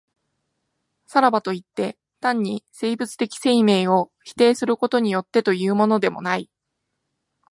さらばといって、単に生物的生命を否定することによってというのでもない。